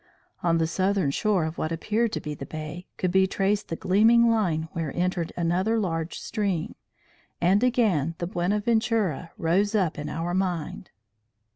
On the southern shore of what appeared to be the bay, could be traced the gleaming line where entered another large stream; and again the Buenaventura rose up in our mind.